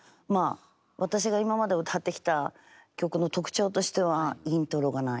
私が今まで歌ってきた曲の特徴としてはイントロがない。